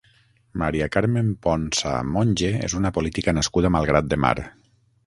Maria Carmen Ponsa Monge és una política nascuda a Malgrat de Mar.